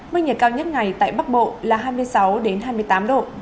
mức nhiệt cao nhất ngày tại bắc bộ là hai mươi sáu hai mươi tám độ